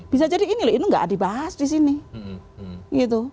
bisa jadi ini loh itu nggak dibahas di sini gitu